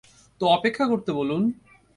তো অপেক্ষা করতে বলুন।